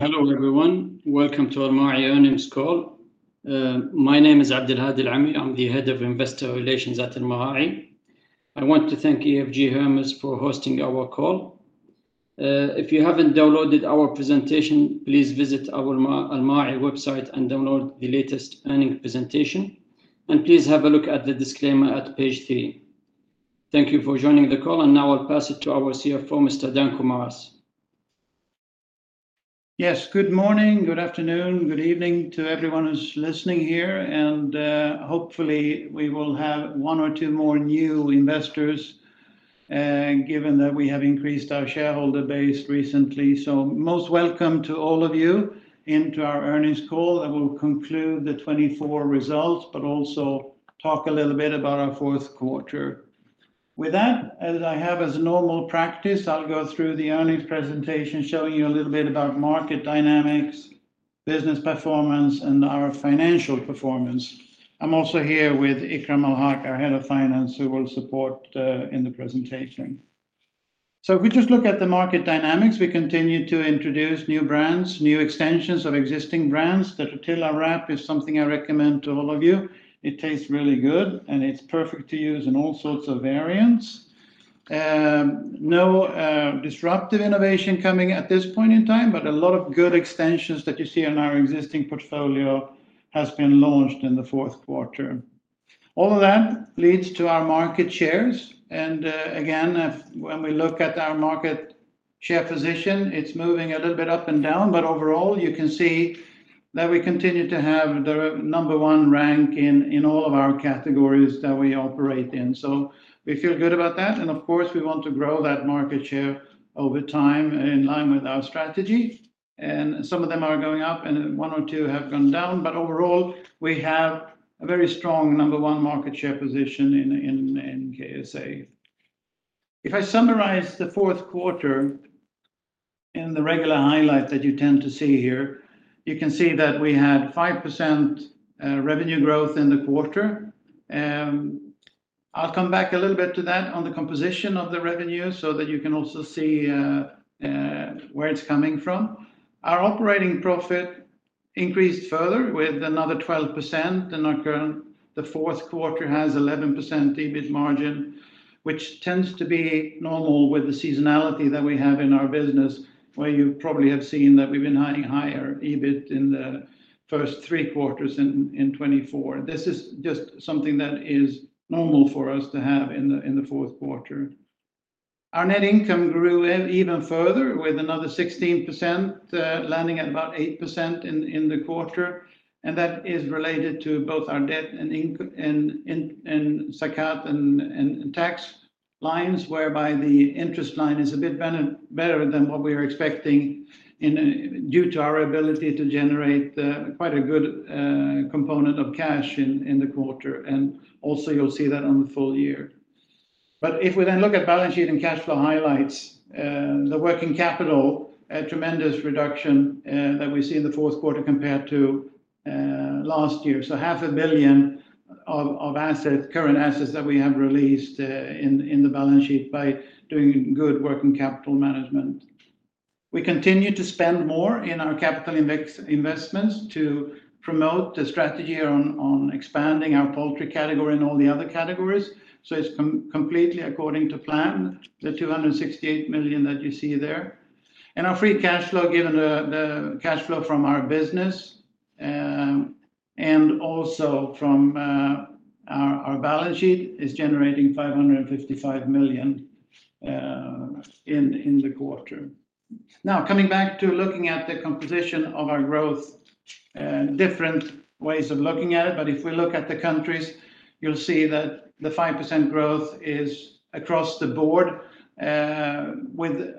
Hello everyone, welcome to Almarai Earnings Call. My name is Abdulhadi Alamri, I'm the Head of Investor Relations at Almarai. I want to thank EFG Hermes for hosting our call. If you haven't downloaded our presentation, please visit Almarai website and download the latest earnings presentation. And please have a look at the disclaimer at page three. Thank you for joining the call, and now I'll pass it to our CFO, Mr. Danko Maras. Yes, good morning, good afternoon, good evening to everyone who's listening here, and hopefully we will have one or two more new investors, given that we have increased our shareholder base recently, so most welcome to all of you into our earnings call. I will conclude the '24 results, but also talk a little bit about our fourth quarter. With that, as I have as normal practice, I'll go through the earnings presentation showing you a little bit about market dynamics, business performance, and our financial performance. I'm also here with Ikram Ul Haq, our Head of Finance, who will support in the presentation, so if we just look at the market dynamics, we continue to introduce new brands, new extensions of existing brands. The Tortilla wrap is something I recommend to all of you. It tastes really good, and it's perfect to use in all sorts of variants. No disruptive innovation coming at this point in time, but a lot of good extensions that you see in our existing portfolio have been launched in the fourth quarter. All of that leads to our market shares, and again, when we look at our market share position, it's moving a little bit up and down, but overall you can see that we continue to have the number one rank in all of our categories that we operate in, so we feel good about that, and of course, we want to grow that market share over time in line with our strategy, and some of them are going up, and one or two have gone down, but overall, we have a very strong number one market share position in KSA. If I summarize the fourth quarter in the regular highlight that you tend to see here, you can see that we had 5% revenue growth in the quarter. I'll come back a little bit to that on the composition of the revenue so that you can also see where it's coming from. Our operating profit increased further with another 12%. The fourth quarter has an 11% EBIT margin, which tends to be normal with the seasonality that we have in our business, where you probably have seen that we've been having higher EBIT in the first three quarters in 2024. This is just something that is normal for us to have in the fourth quarter. Our net income grew even further with another 16%, landing at about 8% in the quarter. That is related to both our debt and Zakat and tax lines, whereby the interest line is a bit better than what we were expecting due to our ability to generate quite a good component of cash in the quarter. And also you'll see that on the full year. But if we then look at balance sheet and cash flow highlights, the working capital, a tremendous reduction that we see in the fourth quarter compared to last year. So 500 million of current assets that we have released in the balance sheet by doing good working capital management. We continue to spend more in our capital investments to promote the strategy on expanding our poultry category and all the other categories. So it's completely according to plan, the 268 million that you see there. Our free cash flow, given the cash flow from our business and also from our balance sheet, is generating 555 million in the quarter. Now, coming back to looking at the composition of our growth, different ways of looking at it. If we look at the countries, you'll see that the 5% growth is across the board. With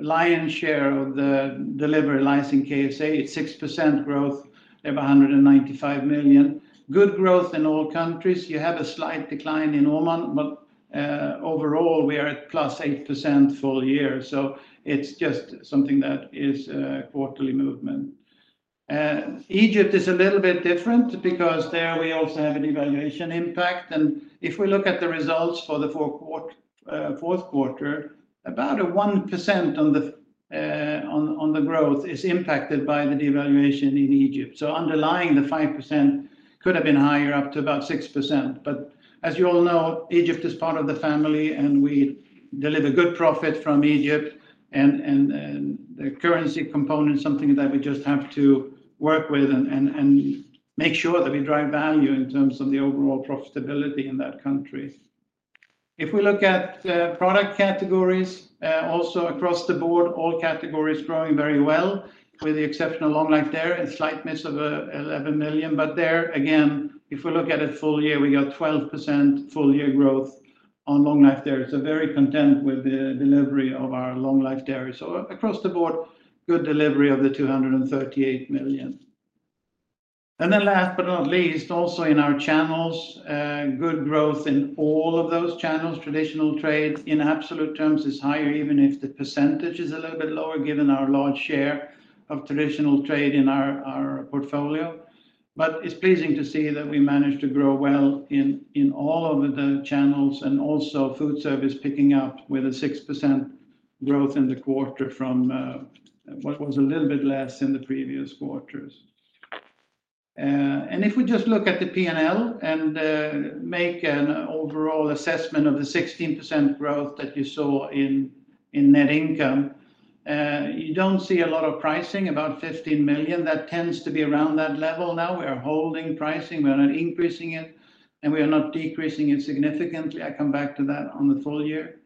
lion's share of the delivery lies in KSA, it's 6% growth of 195 million. Good growth in all countries. You have a slight decline in Oman, but overall we are at plus 8% full year. It's just something that is quarterly movement. Egypt is a little bit different because there we also have a devaluation impact. If we look at the results for the fourth quarter, about 1% on the growth is impacted by the devaluation in Egypt. So underlying the 5% could have been higher up to about 6%. But as you all know, Egypt is part of the family, and we deliver good profit from Egypt. And the currency component is something that we just have to work with and make sure that we drive value in terms of the overall profitability in that country. If we look at product categories, also across the board, all categories growing very well with the exceptional long life dairy and slight miss of 11 million. But there again, if we look at it full year, we got 12% full year growth on long life dairy. So very content with the delivery of our long life dairy. So across the board, good delivery of the 238 million. And then last but not least, also in our channels, good growth in all of those channels. Traditional trade in absolute terms is higher, even if the percentage is a little bit lower, given our large share of traditional trade in our portfolio. But it's pleasing to see that we managed to grow well in all of the channels and also food service picking up with a 6% growth in the quarter from what was a little bit less in the previous quarters. And if we just look at the P&L and make an overall assessment of the 16% growth that you saw in net income, you don't see a lot of pricing, about 15 million. That tends to be around that level. Now we are holding pricing. We are not increasing it, and we are not decreasing it significantly. I come back to that on the full year.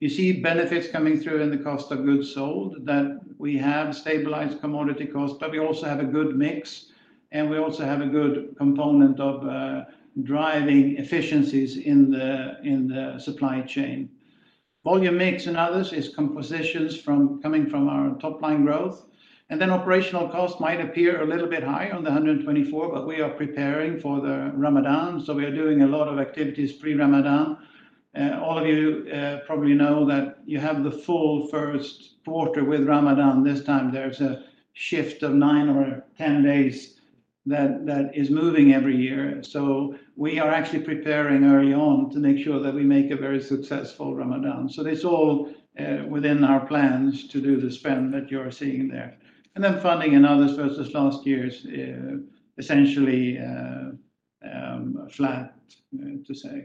You see benefits coming through in the cost of goods sold that we have stabilized commodity costs, but we also have a good mix, and we also have a good component of driving efficiencies in the supply chain. Volume mix and others is compositions coming from our top line growth. Then operational costs might appear a little bit high on the 124, but we are preparing for Ramadan, so we are doing a lot of activities pre-Ramadan. All of you probably know that you have the full first quarter with Ramadan. This time there's a shift of nine or 10 days that is moving every year, so we are actually preparing early on to make sure that we make a very successful Ramadan, so it's all within our plans to do the spend that you're seeing there. Then funding and others versus last year's essentially flat to say.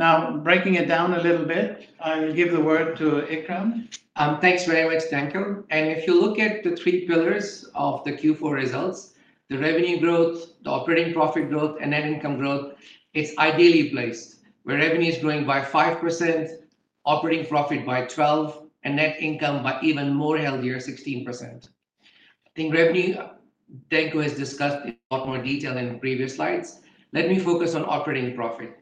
Now, breaking it down a little bit, I'll give the word to Ikram. Thanks very much, Danko, and if you look at the three pillars of the Q4 results, the revenue growth, the operating profit growth, and net income growth, it's ideally placed where revenue is growing by 5%, operating profit by 12%, and net income by even more healthier, 16%. I think revenue Danko has discussed in more detail in previous slides. Let me focus on operating profit.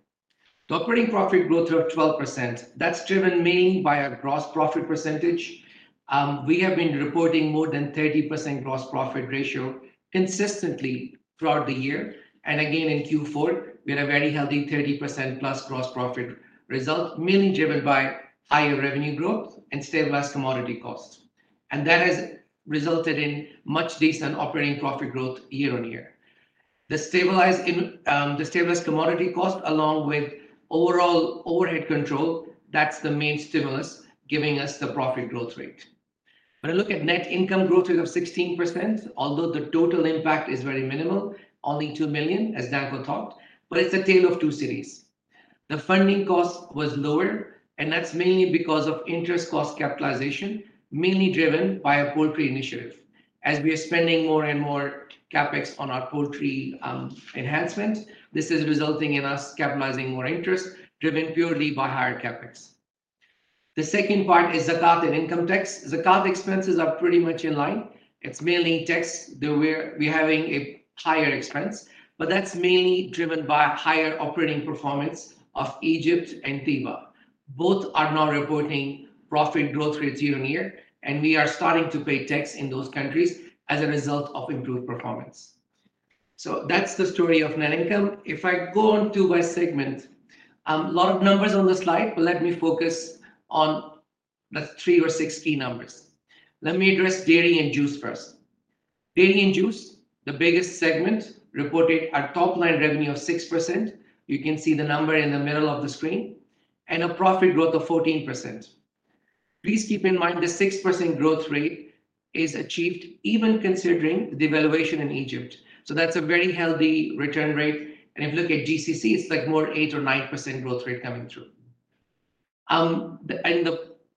The operating profit growth of 12%, that's driven mainly by a gross profit percentage. We have been reporting more than 30% gross profit ratio consistently throughout the year. And again, in Q4, we had a very healthy 30% plus gross profit result, mainly driven by higher revenue growth and stabilized commodity costs. And that has resulted in much decent operating profit growth year on year. The stabilized commodity cost, along with overall overhead control, that's the main stimulus giving us the profit growth rate. When I look at net income growth, we have 16%, although the total impact is very minimal, only 2 million, as Danko talked, but it's the tale of two cities. The funding cost was lower, and that's mainly because of interest cost capitalization, mainly driven by a poultry initiative. As we are spending more and more CapEx on our poultry enhancements, this is resulting in us capitalizing more interest, driven purely by higher CapEx. The second part is Zakat and income tax. Zakat expenses are pretty much in line. It's mainly tax where we're having a higher expense, but that's mainly driven by higher operating performance of Egypt and Teeba. Both are now reporting profit growth rates year on year, and we are starting to pay tax in those countries as a result of improved performance. So that's the story of net income. If I go on to my segment, a lot of numbers on the slide, but let me focus on the three or six key numbers. Let me address dairy and juice first. Dairy and juice, the biggest segment, reported a top line revenue of 6%. You can see the number in the middle of the screen and a profit growth of 14%. Please keep in mind the 6% growth rate is achieved even considering the devaluation in Egypt. So that's a very healthy return rate, and if you look at GCC, it's like more 8% or 9% growth rate coming through, and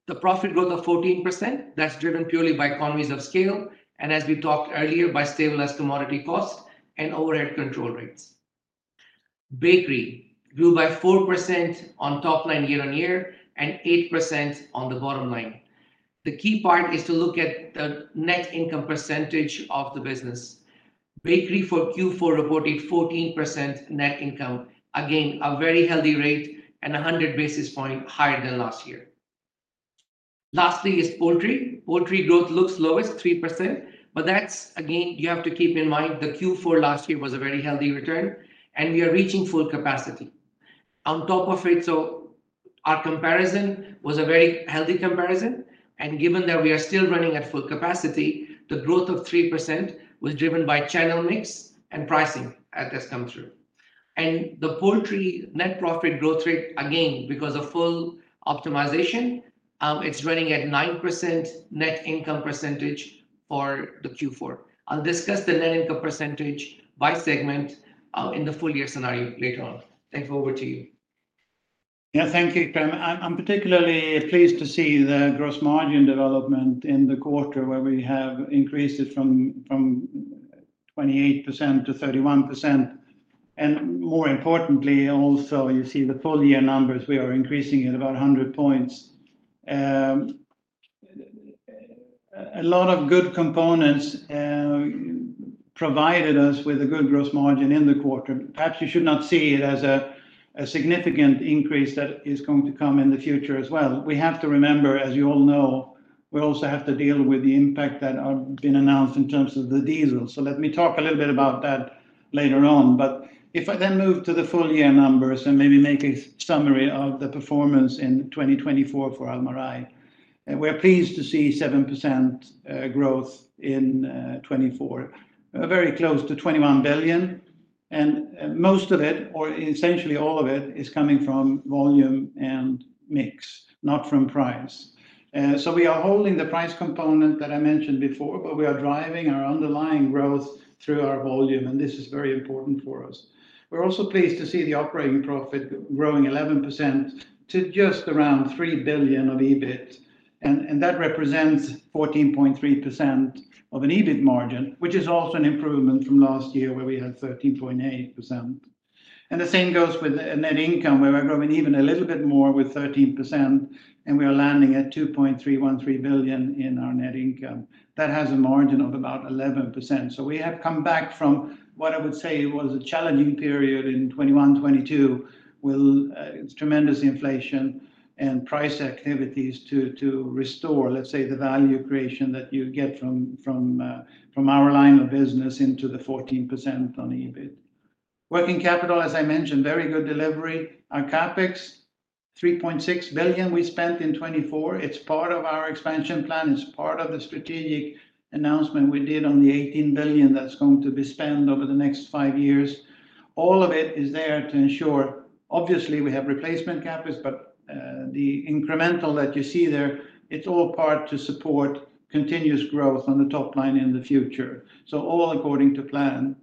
the profit growth of 14%, that's driven purely by economies of scale, and as we talked earlier, by stabilized commodity costs and overhead control rates. Bakery grew by 4% on top line year on year and 8% on the bottom line. The key part is to look at the net income percentage of the business. Bakery for Q4 reported 14% net income, again, a very healthy rate and 100 basis points higher than last year. Lastly is poultry. Poultry growth looks lowest, 3%, but that's again, you have to keep in mind the Q4 last year was a very healthy return, and we are reaching full capacity. On top of it, so our comparison was a very healthy comparison. And given that we are still running at full capacity, the growth of 3% was driven by channel mix and pricing that has come through. And the poultry net profit growth rate, again, because of full optimization, it's running at 9% net income percentage for the Q4. I'll discuss the net income percentage by segment in the full year scenario later on. Thank you. Over to you. Yeah, thank you, Ikram. I'm particularly pleased to see the gross margin development in the quarter where we have increased it from 28% to 31%. And more importantly, also you see the full year numbers, we are increasing at about 100 points. A lot of good components provided us with a good gross margin in the quarter. Perhaps you should not see it as a significant increase that is going to come in the future as well. We have to remember, as you all know, we also have to deal with the impact that has been announced in terms of the diesel. So let me talk a little bit about that later on. But if I then move to the full year numbers and maybe make a summary of the performance in 2024 for Almarai, we're pleased to see 7% growth in 2024, very close to 21 billion. Most of it, or essentially all of it, is coming from volume and mix, not from price. We are holding the price component that I mentioned before, but we are driving our underlying growth through our volume, and this is very important for us. We're also pleased to see the operating profit growing 11% to just around 3 billion of EBIT. That represents 14.3% of an EBIT margin, which is also an improvement from last year where we had 13.8%. The same goes with net income where we're growing even a little bit more with 13%, and we are landing at 2.313 billion in our net income. That has a margin of about 11%. We have come back from what I would say was a challenging period in 2021, 2022 with tremendous inflation and price activities to restore, let's say, the value creation that you get from our line of business into the 14% on EBIT. Working capital, as I mentioned, very good delivery. Our CapEx, 3.6 billion we spent in 2024. It's part of our expansion plan. It's part of the strategic announcement we did on the 18 billion that's going to be spent over the next five years. All of it is there to ensure, obviously, we have replacement CapEx, but the incremental that you see there, it's all part to support continuous growth on the top line in the future. All according to plan.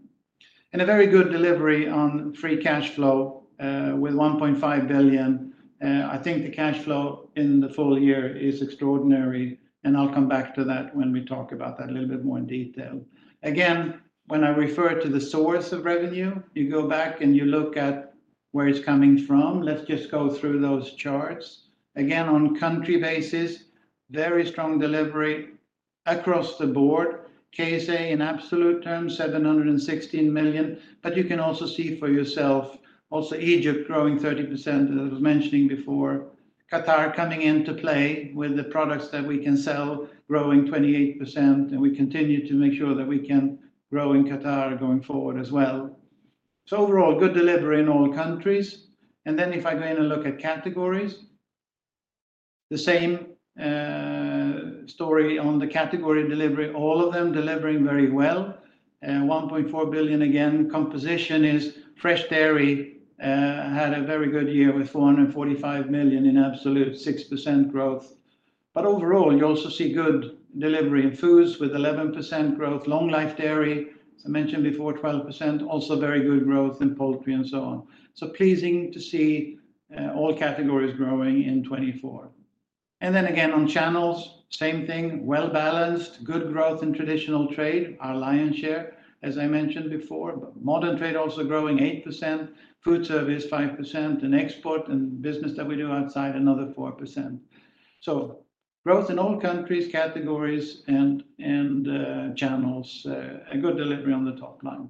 A very good delivery on free cash flow with 1.5 billion. I think the cash flow in the full year is extraordinary, and I'll come back to that when we talk about that a little bit more in detail. Again, when I refer to the source of revenue, you go back and you look at where it's coming from. Let's just go through those charts. Again, on country basis, very strong delivery across the board. KSA in absolute terms, 716 million. But you can also see for yourself, also Egypt growing 30%, as I was mentioning before. Qatar coming into play with the products that we can sell, growing 28%. And we continue to make sure that we can grow in Qatar going forward as well. So overall, good delivery in all countries. And then if I go in and look at categories, the same story on the category delivery, all of them delivering very well. 1.4 billion again. Composition is fresh dairy, had a very good year with 445 million in absolute 6% growth. But overall, you also see good delivery in foods with 11% growth, long life dairy, as I mentioned before, 12%, also very good growth in poultry and so on. So pleasing to see all categories growing in 2024. And then again on channels, same thing, well balanced, good growth in traditional trade, our lion's share, as I mentioned before. Modern trade also growing 8%, food service 5%, and export and business that we do outside another 4%. So growth in all countries, categories, and channels, a good delivery on the top line.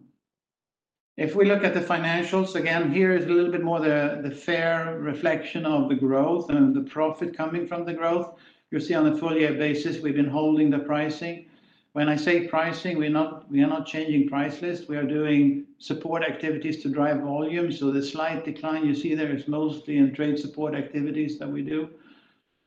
If we look at the financials, again, here is a little bit more the fair reflection of the growth and the profit coming from the growth. You see on a full year basis, we've been holding the pricing. When I say pricing, we are not changing price lists. We are doing support activities to drive volume. So the slight decline you see there is mostly in trade support activities that we do.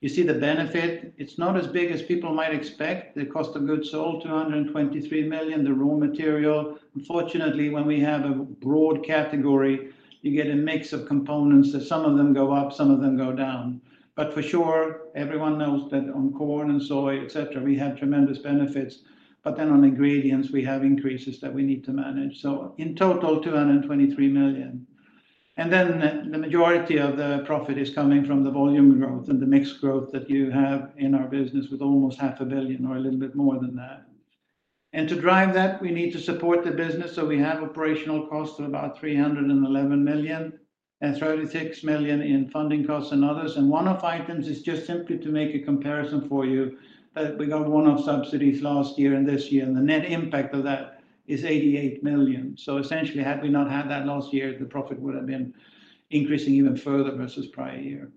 You see the benefit. It's not as big as people might expect. The cost of goods sold, 223 million, the raw material. Unfortunately, when we have a broad category, you get a mix of components. Some of them go up, some of them go down. But for sure, everyone knows that on corn and soy, etc., we have tremendous benefits. But then on ingredients, we have increases that we need to manage. So in total, 223 million. And then the majority of the profit is coming from the volume growth and the mixed growth that you have in our business with almost 500 million or a little bit more than that. And to drive that, we need to support the business. So we have operational costs of about 311 million and 36 million in funding costs and others. And one-off items is just simply to make a comparison for you that we got one-off subsidies last year and this year. And the net impact of that is 88 million. So essentially, had we not had that last year, the profit would have been increasing even further versus prior year.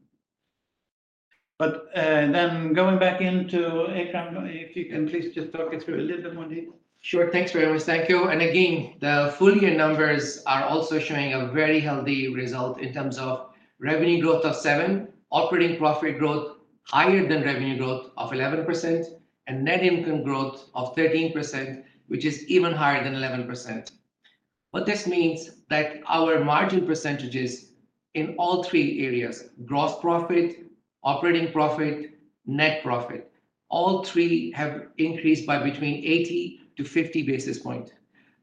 But then going back into Ikram, if you can please just talk it through a little bit more detail. Sure, thanks very much, Danko. And again, the full year numbers are also showing a very healthy result in terms of revenue growth of 7%, operating profit growth higher than revenue growth of 11%, and net income growth of 13%, which is even higher than 11%. But this means that our margin percentages in all three areas, gross profit, operating profit, net profit, all three have increased by between 80 to 50 basis points.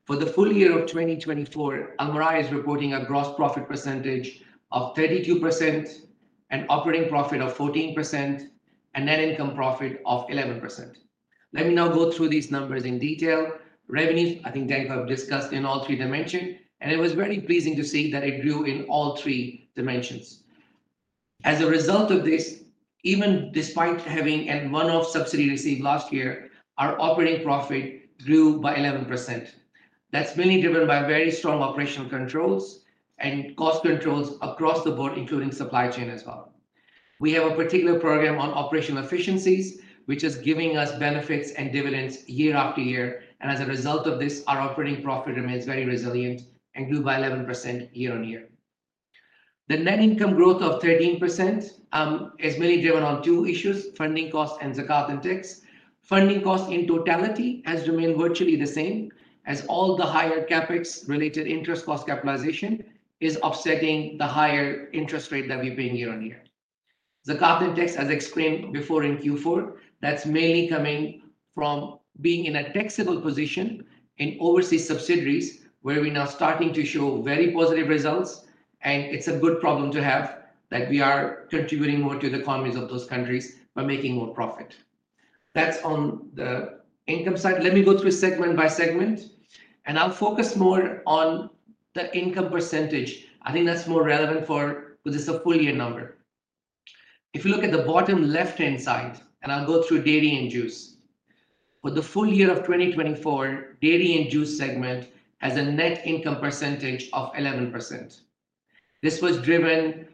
For the full year of 2024, Almarai is reporting a gross profit percentage of 32%, an operating profit of 14%, and net income profit of 11%. Let me now go through these numbers in detail. Revenues, I think Danko have discussed in all three dimensions, and it was very pleasing to see that it grew in all three dimensions. As a result of this, even despite having one off subsidy received last year, our operating profit grew by 11%. That's mainly driven by very strong operational controls and cost controls across the board, including supply chain as well. We have a particular program on operational efficiencies, which is giving us benefits and dividends year after year. And as a result of this, our operating profit remains very resilient and grew by 11% year on year. The net income growth of 13% is mainly driven on two issues, funding costs and Zakat and tax. Funding costs in totality has remained virtually the same as all the higher CapEx related interest cost capitalization is offsetting the higher interest rate that we're paying year on year. Zakat and tax, as explained before in Q4, that's mainly coming from being in a taxable position in overseas subsidiaries where we are now starting to show very positive results. And it's a good problem to have that we are contributing more to the economies of those countries by making more profit. That's on the income side. Let me go through segment by segment, and I'll focus more on the income percentage. I think that's more relevant for this is a full year number. If you look at the bottom left-hand side, and I'll go through dairy and juice. For the full year of 2024, dairy and juice segment has a net income percentage of 11%. This was driven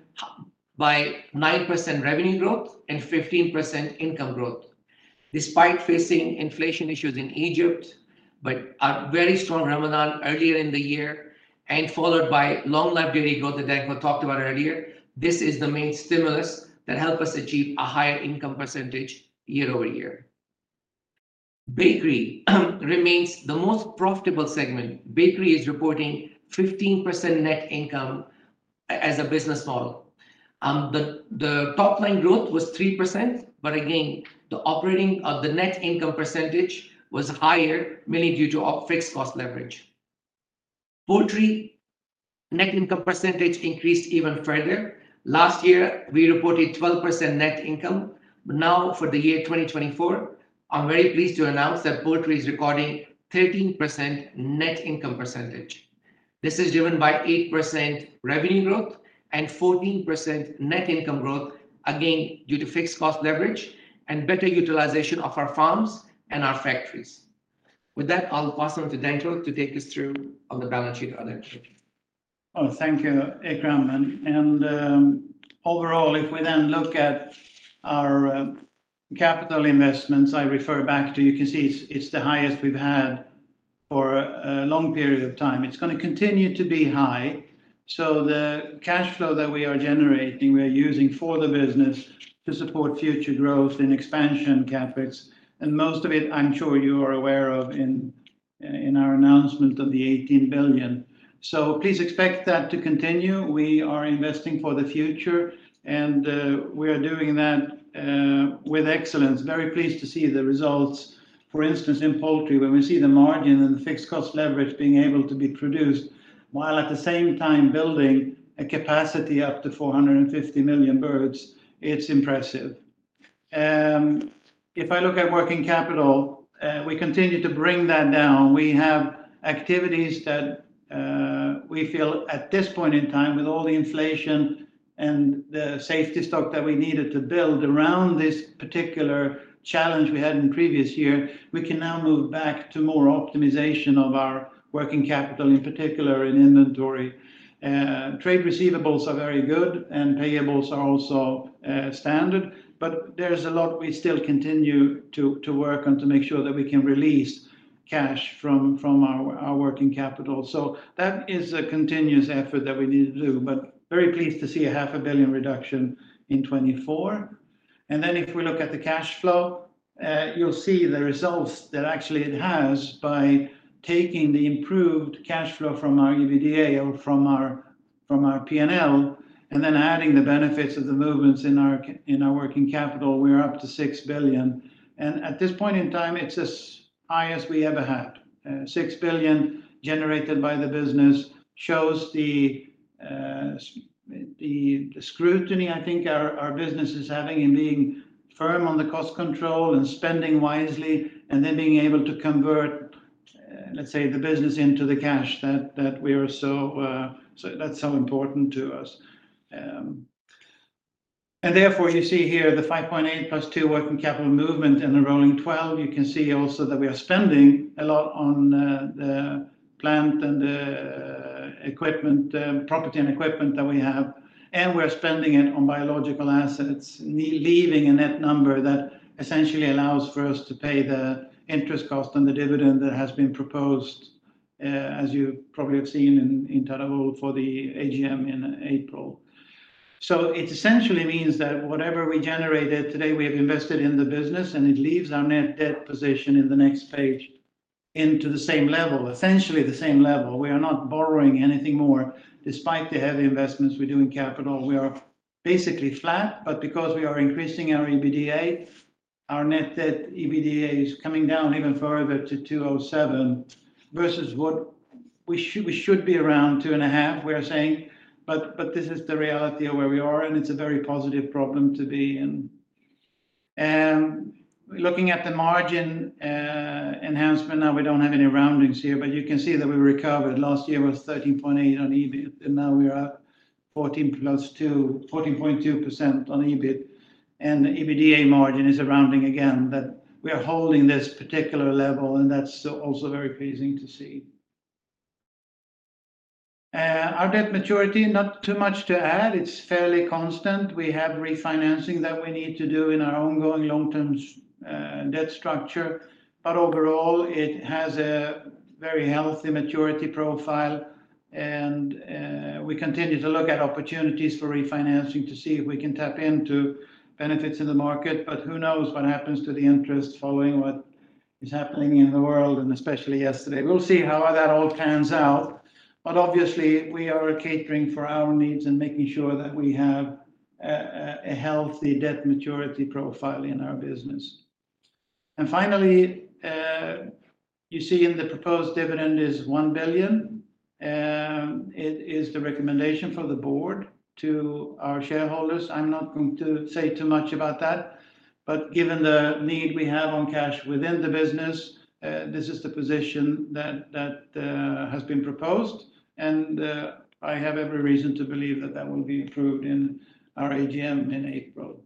by 9% revenue growth and 15% income growth despite facing inflation issues in Egypt, but a very strong Ramadan earlier in the year and followed by long life dairy growth that Danko talked about earlier. This is the main stimulus that helped us achieve a higher income percentage year over year. Bakery remains the most profitable segment. Bakery is reporting 15% net income as a business model. The top line growth was 3%, but again, the operating of the net income percentage was higher, mainly due to fixed cost leverage. Poultry net income percentage increased even further. Last year, we reported 12% net income. Now for the year 2024, I'm very pleased to announce that poultry is recording 13% net income percentage. This is driven by 8% revenue growth and 14% net income growth, again, due to fixed cost leverage and better utilization of our farms and our factories. With that, I'll pass on to Danko to take us through on the balance sheet of that. Oh, thank you, Ikram. Overall, if we then look at our capital investments, I refer back to; you can see it's the highest we've had for a long period of time. It's going to continue to be high. So the cash flow that we are generating, we are using for the business to support future growth and expansion CapEx. And most of it, I'm sure you are aware of in our announcement of the 18 billion. So please expect that to continue. We are investing for the future, and we are doing that with excellence. Very pleased to see the results, for instance, in poultry where we see the margin and the fixed cost leverage being able to be produced while at the same time building a capacity up to 450 million birds. It's impressive. If I look at working capital, we continue to bring that down. We have activities that we feel at this point in time, with all the inflation and the safety stock that we needed to build around this particular challenge we had in the previous year, we can now move back to more optimization of our working capital, in particular in inventory. Trade receivables are very good, and payables are also standard. But there's a lot we still continue to work on to make sure that we can release cash from our working capital. So that is a continuous effort that we need to do, but very pleased to see a 500 million reduction in 2024. And then if we look at the cash flow, you'll see the results that actually it has by taking the improved cash flow from our EBITDA or from our P&L and then adding the benefits of the movements in our working capital, we are up to 6 billion. And at this point in time, it's as high as we ever had. 6 billion generated by the business shows the scrutiny, I think, our business is having in being firm on the cost control and spending wisely and then being able to convert, let's say, the business into the cash that we are so, that's so important to us. And therefore, you see here the 5.8 billion plus 2 billion working capital movement and the rolling 12. You can see also that we are spending a lot on the plant and the equipment, property and equipment that we have. And we're spending it on biological assets, leaving a net number that essentially allows for us to pay the interest cost and the dividend that has been proposed, as you probably have seen in Tadawul for the AGM in April. So it essentially means that whatever we generated today, we have invested in the business, and it leaves our net debt position in the next page into the same level, essentially the same level. We are not borrowing anything more despite the heavy investments we do in capital. We are basically flat, but because we are increasing our EBITDA, our net debt EBITDA is coming down even further to 2.07 versus what we should be around 2.5, we are saying. But this is the reality of where we are, and it's a very positive problem to be in. Looking at the margin enhancement, now we don't have any roundings here, but you can see that we recovered. Last year was 13.8% on EBIT, and now we are at 14.2% on EBIT. The EBITDA margin is a rounding again that we are holding this particular level, and that's also very pleasing to see. Our debt maturity, not too much to add. It's fairly constant. We have refinancing that we need to do in our ongoing long-term debt structure. But overall, it has a very healthy maturity profile. We continue to look at opportunities for refinancing to see if we can tap into benefits in the market. But who knows what happens to the interest following what is happening in the world, and especially yesterday. We'll see how that all pans out. But obviously, we are catering for our needs and making sure that we have a healthy debt maturity profile in our business. And finally, you see the proposed dividend is 1 billion. It is the recommendation for the board to our shareholders. I'm not going to say too much about that. But given the need we have on cash within the business, this is the position that has been proposed. And I have every reason to believe that that will be approved in our AGM in April.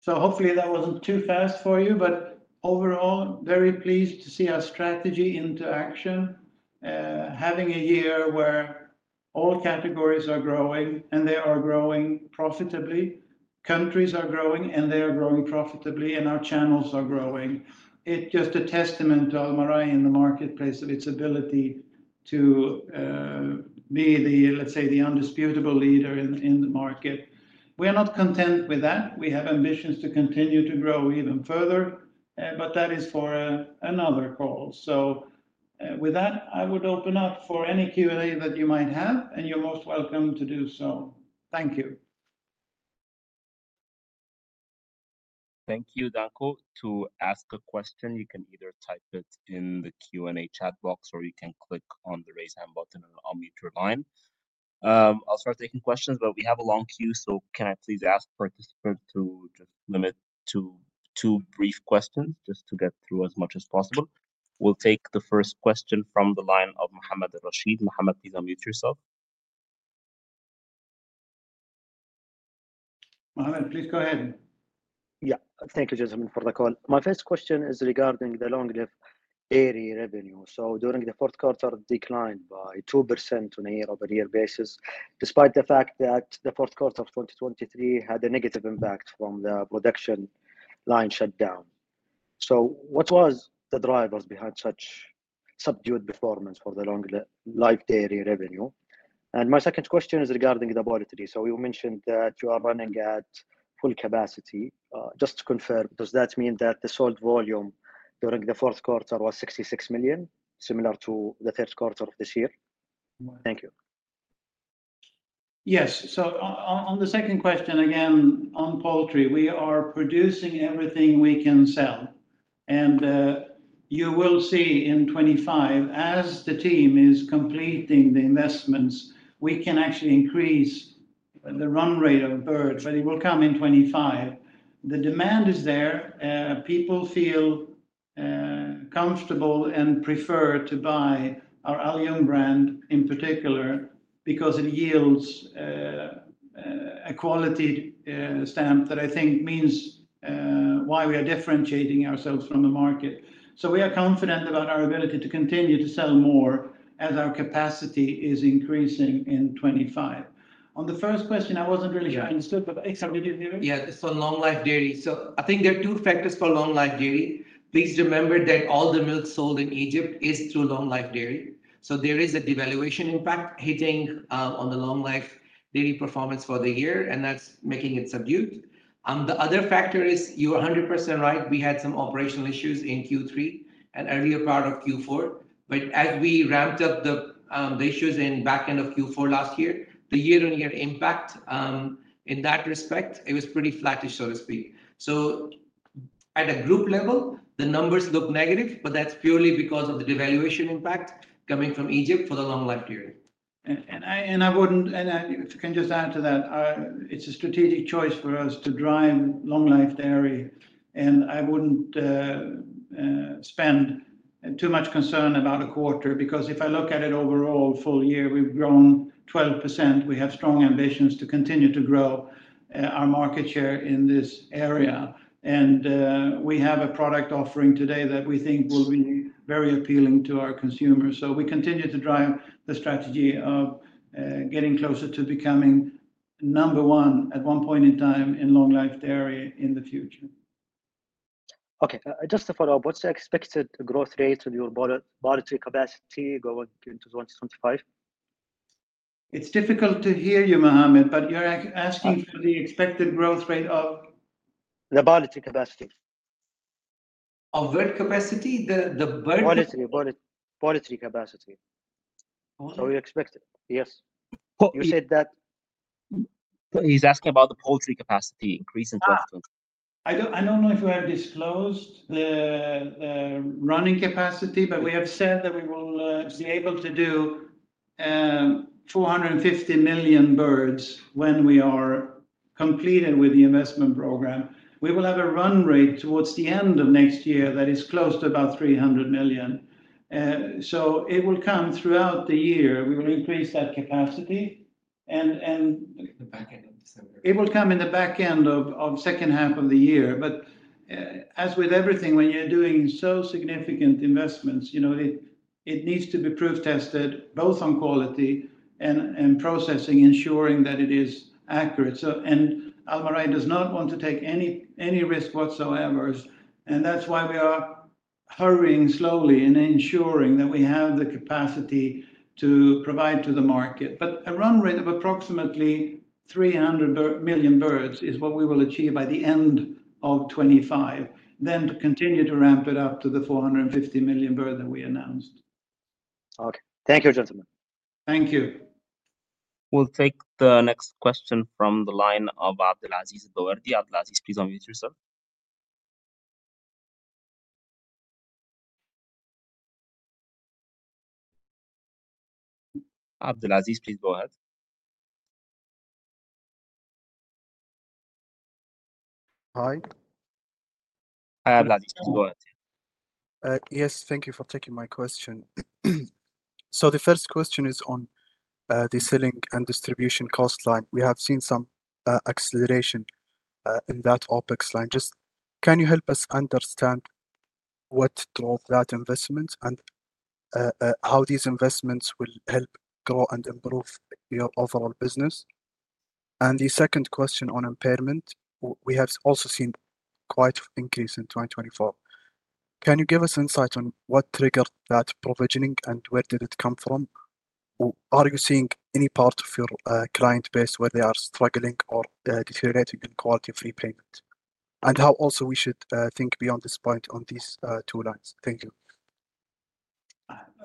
So hopefully that wasn't too fast for you, but overall, very pleased to see our strategy into action. Having a year where all categories are growing and they are growing profitably, countries are growing and they are growing profitably, and our channels are growing. It's just a testament to Almarai in the marketplace of its ability to be the, let's say, the indisputable leader in the market. We are not content with that. We have ambitions to continue to grow even further, but that is for another call. So with that, I would open up for any Q&A that you might have, and you're most welcome to do so. Thank you. Thank you, Danko. To ask a question, you can either type it in the Q&A chat box or you can click on the raise hand button on your line. I'll start taking questions, but we have a long queue. So can I please ask participants to just limit to two brief questions just to get through as much as possible? We'll take the first question from the line of Mohammed Al-Rashid. Mohammed, please unmute yourself. Mohammed, please go ahead. Yeah, thank you, for the call. My first question is regarding the long-life dairy revenue. So during the fourth quarter, it declined by 2% on a year-over-year basis, despite the fact that the fourth quarter of 2023 had a negative impact from the production line shutdown. So what was the drivers behind such subdued performance for the long-life dairy revenue? And my second question is regarding the poultry. So you mentioned that you are running at full capacity. Just to confirm, does that mean that the sold volume during the fourth quarter was 66 million, similar to the third quarter of this year? Thank you. Yes, so on the second question, again, on poultry, we are producing everything we can sell, and you will see in 2025, as the team is completing the investments, we can actually increase the run rate of birds, but it will come in 2025. The demand is there. People feel comfortable and prefer to buy our Alyoum brand in particular because it yields a quality stamp that I think means why we are differentiating ourselves from the market, so we are confident about our ability to continue to sell more as our capacity is increasing in 2025. On the first question, I wasn't really sure. Yeah, it's for long-life dairy. So I think there are two factors for long-life dairy. Please remember that all the milk sold in Egypt is through long-life dairy. So there is a devaluation, in fact, hitting on the long-life dairy performance for the year, and that's making it subdued. The other factor is you are 100% right. We had some operational issues in Q3 and earlier part of Q4. But as we ramped up the issues in back end of Q4 last year, the year-on-year impact in that respect, it was pretty flattish, so to speak. So at a group level, the numbers look negative, but that's purely because of the devaluation impact coming from Egypt for the long-life dairy. And I wouldn't, and if I can just add to that, it's a strategic choice for us to drive long life dairy. And I wouldn't spend too much concern about a quarter because if I look at it overall, full year, we've grown 12%. We have strong ambitions to continue to grow our market share in this area. And we have a product offering today that we think will be very appealing to our consumers. So we continue to drive the strategy of getting closer to becoming number one at one point in time in long life dairy in the future. Okay, just to follow up, what's the expected growth rate of your poultry capacity going into 2025? It's difficult to hear you, Mohammed, but you're asking for the expected growth rate of. The poultry capacity. Of bird capacity? The bird. Voluntary capacity. So you expect it, yes. You said that. He's asking about the poultry capacity increase in 2020. I don't know if we have disclosed the running capacity, but we have said that we will be able to do 450 million birds when we are completed with the investment program. We will have a run rate towards the end of next year that is close to about 300 million. So it will come throughout the year. We will increase that capacity. And. In the back end of December. It will come in the back end of the second half of the year, but as with everything, when you're doing so significant investments, it needs to be proof tested both on quality and processing, ensuring that it is accurate, and Almarai does not want to take any risk whatsoever, and that's why we are hurrying slowly and ensuring that we have the capacity to provide to the market, but a run rate of approximately 300 million birds is what we will achieve by the end of 2025, then to continue to ramp it up to the 450 million birds that we announced. Okay, thank you. Thank you. We'll take the next question from the line of Abdulaziz Bawardi. Abdulaziz, please unmute yourself. Abdulaziz, please go ahead. Hi. Abdulaziz, please go ahead. Yes, thank you for taking my question. So the first question is on the selling and distribution cost line. We have seen some acceleration in that OPEX line. Just can you help us understand what drove that investment and how these investments will help grow and improve your overall business? And the second question on impairment, we have also seen quite an increase in 2024. Can you give us insight on what triggered that provisioning and where did it come from? Are you seeing any part of your client base where they are struggling or deteriorating in quality of repayment? And how also we should think beyond this point on these two lines? Thank you.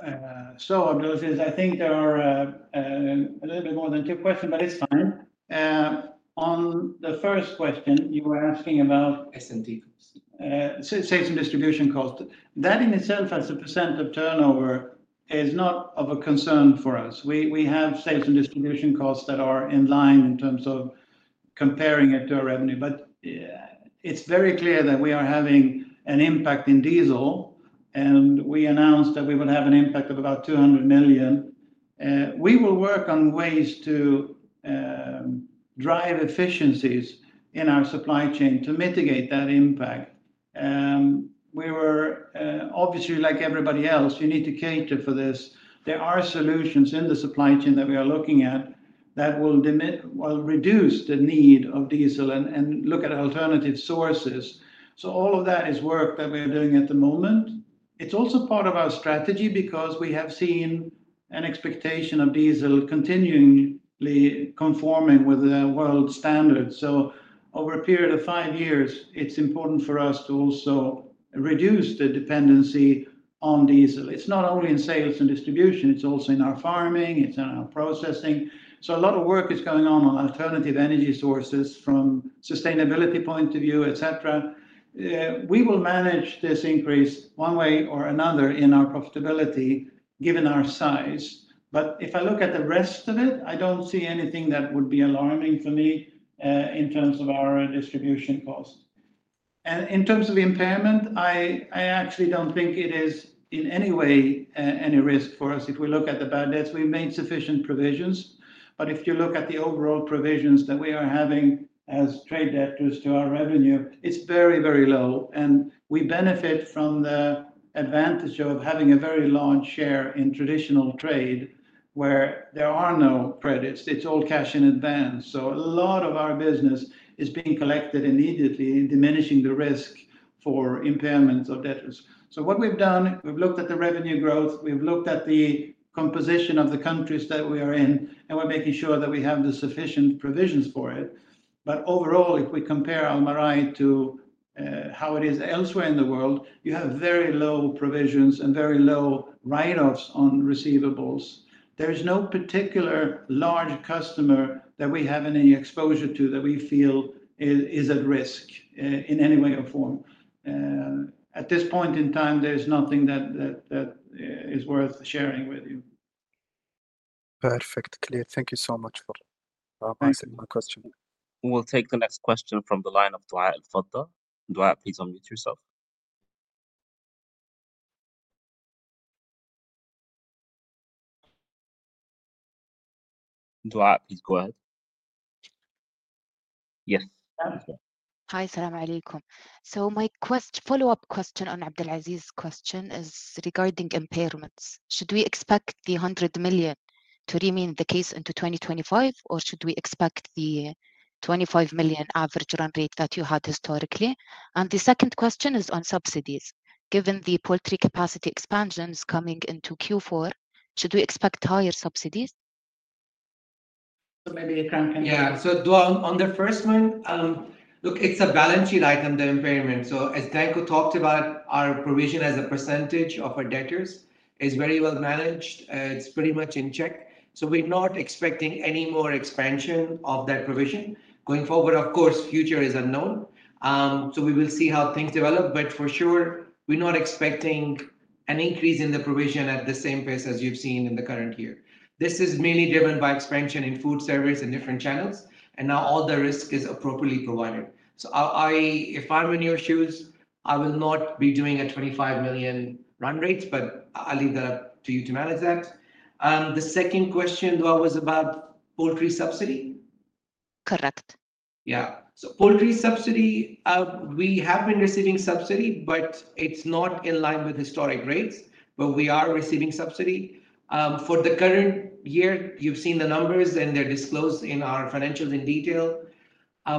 Abdulaziz, I think there are a little bit more than two questions, but it's fine. On the first question, you were asking about sales and distribution cost. That in itself, as a % of turnover, is not of a concern for us. We have sales and distribution costs that are in line in terms of comparing it to our revenue. But it's very clear that we are having an impact in diesel, and we announced that we would have an impact of about 200 million. We will work on ways to drive efficiencies in our supply chain to mitigate that impact. We were obviously, like everybody else, you need to cater for this. There are solutions in the supply chain that we are looking at that will reduce the need of diesel and look at alternative sources. So all of that is work that we are doing at the moment. It's also part of our strategy because we have seen an expectation of diesel continually conforming with the world standards. So over a period of five years, it's important for us to also reduce the dependency on diesel. It's not only in sales and distribution. It's also in our farming. It's in our processing. So a lot of work is going on alternative energy sources from a sustainability point of view, etc. We will manage this increase one way or another in our profitability given our size. But if I look at the rest of it, I don't see anything that would be alarming for me in terms of our distribution cost. And in terms of impairment, I actually don't think it is in any way any risk for us. If we look at the bad debts, we've made sufficient provisions. But if you look at the overall provisions that we are having as trade debtors to our revenue, it's very, very low, and we benefit from the advantage of having a very large share in traditional trade where there are no credits. It's all cash in advance, so a lot of our business is being collected immediately and diminishing the risk for impairments of debtors, so what we've done, we've looked at the revenue growth. We've looked at the composition of the countries that we are in, and we're making sure that we have the sufficient provisions for it, but overall, if we compare Almarai to how it is elsewhere in the world, you have very low provisions and very low write-offs on receivables. There is no particular large customer that we have any exposure to that we feel is at risk in any way or form. At this point in time, there's nothing that is worth sharing with you. Perfect. Clear. Thank you so much for answering my question. We'll take the next question from the line of Duaa Al-Fadda. Duaa, please unmute yourself. Duaa, please go ahead. Yes. Hi, Salam Alaikum. So my follow-up question on Abdulaziz's question is regarding impairments. Should we expect the 100 million to remain the case into 2025, or should we expect the 25 million average run rate that you had historically? And the second question is on subsidies. Given the poultry capacity expansions coming into Q4, should we expect higher subsidies? Yeah, so Duaa, on the first one, look, it's a balance sheet item, the impairment. So as Danko talked about, our provision as a percentage of our debtors is very well managed. It's pretty much in check. So we're not expecting any more expansion of that provision. Going forward, of course, future is unknown. So we will see how things develop. But for sure, we're not expecting an increase in the provision at the same pace as you've seen in the current year. This is mainly driven by expansion in food service and different channels. And now all the risk is appropriately provided. So if I'm in your shoes, I will not be doing a 25 million run rate, but I'll leave that up to you to manage that. The second question, Duaa, was about poultry subsidy. Correct. Yeah. So, poultry subsidy, we have been receiving subsidy, but it's not in line with historic rates, but we are receiving subsidy. For the current year, you've seen the numbers, and they're disclosed in our financials in detail.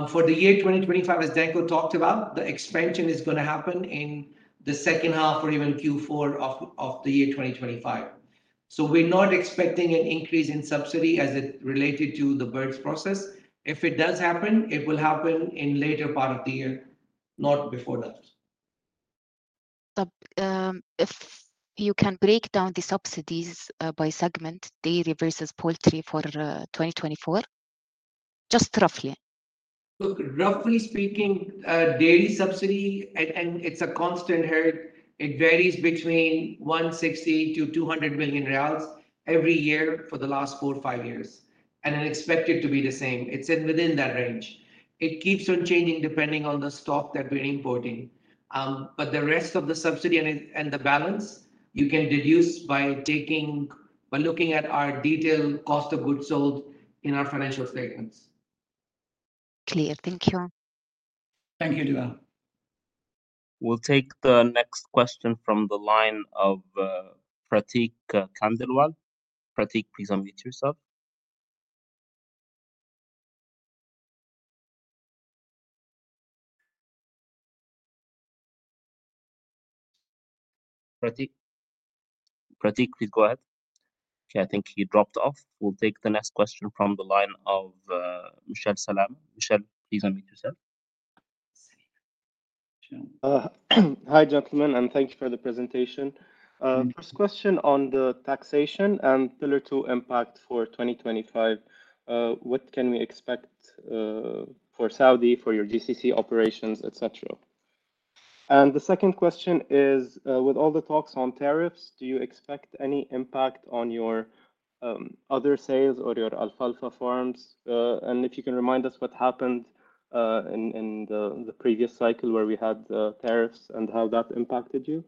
For the year 2025, as Danko talked about, the expansion is going to happen in the second half or even Q4 of the year 2025, so we're not expecting an increase in subsidy as it related to the birds process. If it does happen, it will happen in the later part of the year, not before that. If you can break down the subsidies by segment, dairy versus poultry for 2024, just roughly. Look, roughly speaking, dairy subsidy, and it's a constant hurt. It varies between SAR 160 million-SAR 200 million every year for the last four or five years, and I expect it to be the same. It's within that range. It keeps on changing depending on the stock that we're importing. But the rest of the subsidy and the balance, you can deduce by looking at our detailed cost of goods sold in our financial statements. Clear. Thank you. Thank you, Duaa. We'll take the next question from the line of Prateek Khandelwal. Prateek, please unmute yourself. Prateek, please go ahead. Okay, I think you dropped off. We'll take the next question from the line of Michel Salameh. Michel, please unmute yourself. Hi, gentlemen, and thank you for the presentation. First question on the taxation and Pillar Two impact for 2025. What can we expect for Saudi, for your GCC operations, etc.? And the second question is, with all the talks on tariffs, do you expect any impact on your other sales or your alfalfa farms? And if you can remind us what happened in the previous cycle where we had tariffs and how that impacted you.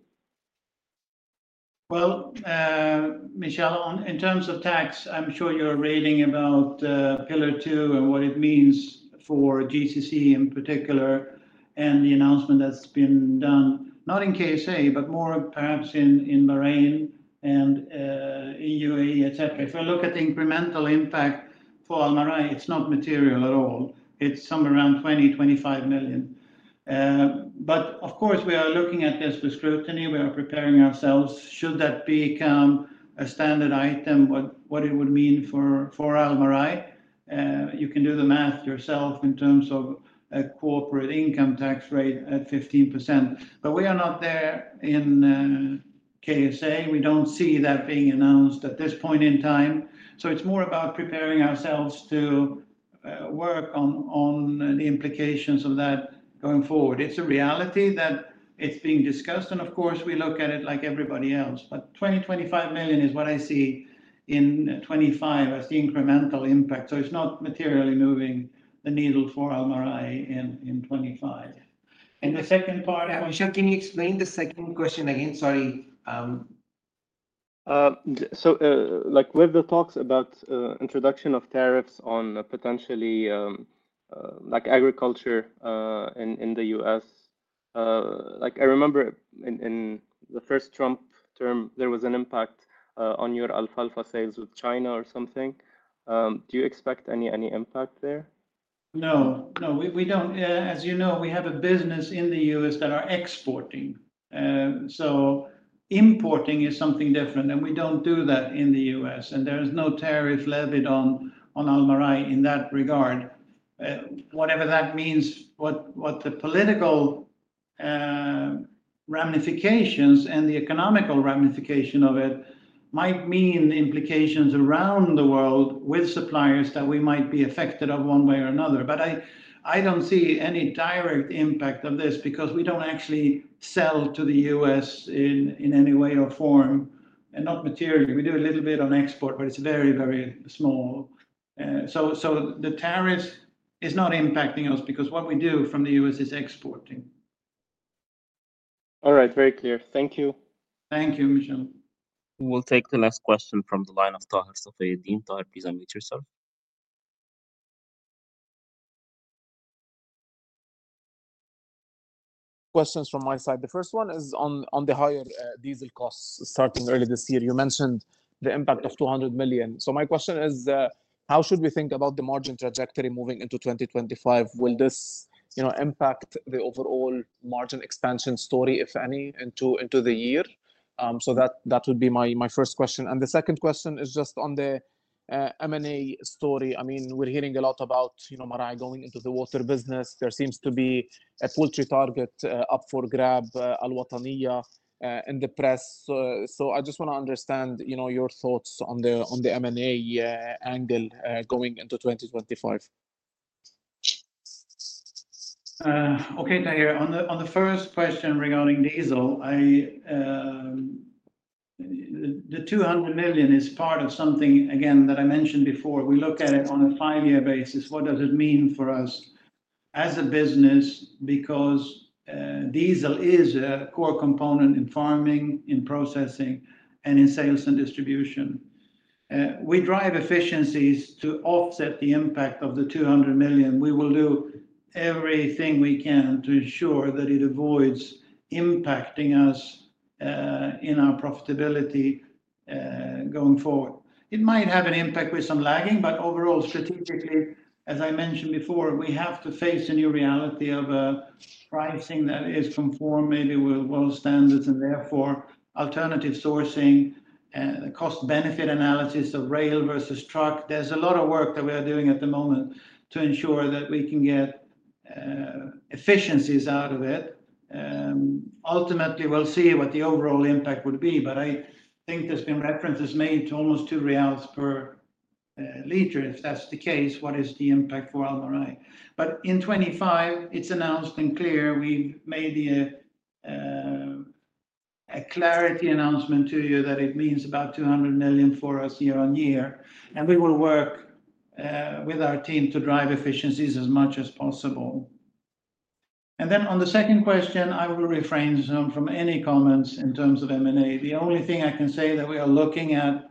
Michel, in terms of tax, I'm sure you're reading about Pillar Two and what it means for GCC in particular and the announcement that's been done, not in KSA, but more perhaps in Bahrain and UAE, etc. If we look at the incremental impact for Almarai, it's not material at all. It's somewhere around 20-25 million. Of course, we are looking at this with scrutiny. We are preparing ourselves. Should that become a standard item, what it would mean for Almarai? You can do the math yourself in terms of a corporate income tax rate at 15%. We are not there in KSA. We don't see that being announced at this point in time. It's more about preparing ourselves to work on the implications of that going forward. It's a reality that it's being discussed. Of course, we look at it like everybody else. But 20-25 million is what I see in 2025 as the incremental impact. So it's not materially moving the needle for Almarai in 2025. And the second part. Michel, can you explain the second question again? Sorry. So with the talks about the introduction of tariffs on potentially agriculture in the U.S., I remember in the first Trump term, there was an impact on your alfalfa sales with China or something. Do you expect any impact there? No, no, we don't. As you know, we have a business in the U.S. that are exporting, so importing is something different, and we don't do that in the U.S., and there is no tariff levied on Almarai in that regard. Whatever that means, what the political ramifications and the economic ramifications of it might mean implications around the world with suppliers that we might be affected of one way or another, but I don't see any direct impact of this because we don't actually sell to the U.S. in any way or form, and not materially. We do a little bit on export, but it's very, very small, so the tariff is not impacting us because what we do from the U.S. is exporting. All right, very clear. Thank you. Thank you, Michel. We'll take the next question from the line of Taher Safieddine. Taher, please unmute yourself. Questions from my side. The first one is on the higher diesel costs starting early this year. You mentioned the impact of 200 million. So my question is, how should we think about the margin trajectory moving into 2025? Will this impact the overall margin expansion story, if any, into the year? So that would be my first question. And the second question is just on the M&A story. I mean, we're hearing a lot about Almarai going into the water business. There seems to be a poultry target up for grab, Al-Wataniya, in the press. So I just want to understand your thoughts on the M&A angle going into 2025. Okay, Taher, on the first question regarding diesel, the 200 million is part of something, again, that I mentioned before. We look at it on a five-year basis. What does it mean for us as a business? Because diesel is a core component in farming, in processing, and in sales and distribution. We drive efficiencies to offset the impact of the 200 million. We will do everything we can to ensure that it avoids impacting us in our profitability going forward. It might have an impact with some lagging, but overall, strategically, as I mentioned before, we have to face a new reality of pricing that is conformed maybe with world standards and therefore alternative sourcing, cost-benefit analysis of rail versus truck. There's a lot of work that we are doing at the moment to ensure that we can get efficiencies out of it. Ultimately, we'll see what the overall impact would be, but I think there's been references made to almost SAR 2 per liter. If that's the case, what is the impact for Almarai? But in 2025, it's announced and clear. We've made a clarity announcement to you that it means about 200 million for us year on year, and we will work with our team to drive efficiencies as much as possible, and then on the second question, I will refrain from any comments in terms of M&A. The only thing I can say that we are looking at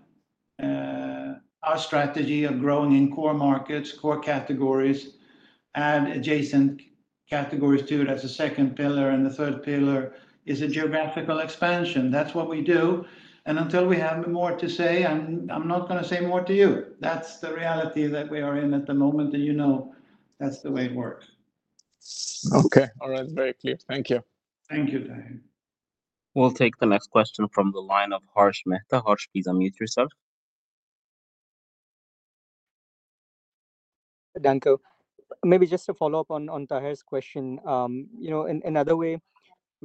our strategy of growing in core markets, core categories, and adjacent categories to it as a second pillar, and the third pillar is a geographical expansion. That's what we do, and until we have more to say, I'm not going to say more to you. That's the reality that we are in at the moment, and you know that's the way it works. Okay. All right, very clear. Thank you. Thank you, Taher. We'll take the next question from the line of Harsh Mehta. Harsh, please unmute yourself. Danko, maybe just to follow up on Taher's question, in another way,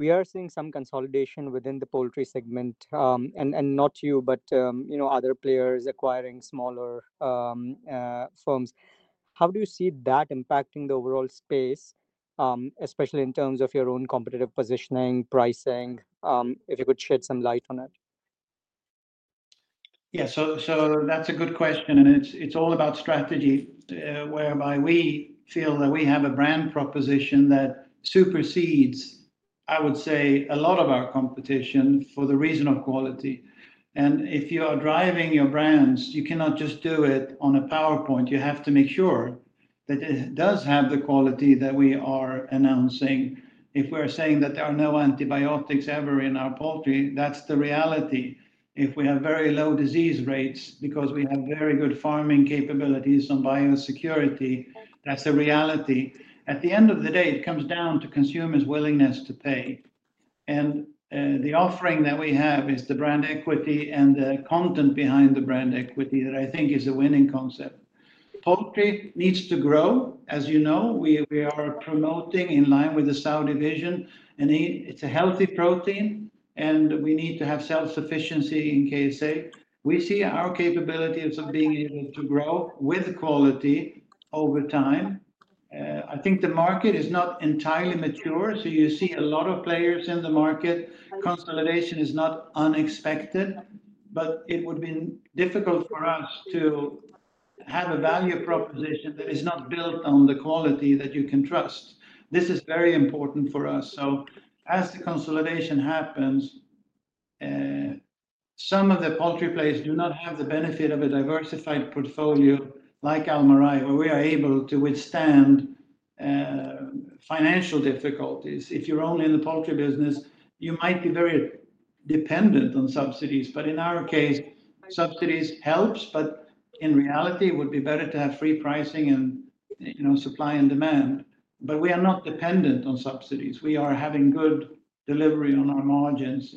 we are seeing some consolidation within the poultry segment and not you, but other players acquiring smaller firms. How do you see that impacting the overall space, especially in terms of your own competitive positioning, pricing, if you could shed some light on it? Yeah, so that's a good question. And it's all about strategy, whereby we feel that we have a brand proposition that supersedes, I would say, a lot of our competition for the reason of quality. And if you are driving your brands, you cannot just do it on a PowerPoint. You have to make sure that it does have the quality that we are announcing. If we're saying that there are no antibiotics ever in our poultry, that's the reality. If we have very low disease rates because we have very good farming capabilities on biosecurity, that's a reality. At the end of the day, it comes down to consumers' willingness to pay. And the offering that we have is the brand equity and the content behind the brand equity that I think is a winning concept. Poultry needs to grow. As you know, we are promoting in line with the Saudi Vision, and it's a healthy protein, and we need to have self-sufficiency in KSA. We see our capabilities of being able to grow with quality over time. I think the market is not entirely mature, so you see a lot of players in the market. Consolidation is not unexpected, but it would be difficult for us to have a value proposition that is not built on the quality that you can trust. This is very important for us, so as the consolidation happens, some of the poultry players do not have the benefit of a diversified portfolio like Almarai, where we are able to withstand financial difficulties. If you're only in the poultry business, you might be very dependent on subsidies, but in our case, subsidies helps. But in reality, it would be better to have free pricing and supply and demand. But we are not dependent on subsidies. We are having good delivery on our margins